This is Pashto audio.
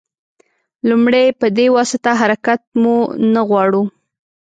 لومړی په دې واسطه حرکت مو نه غواړو.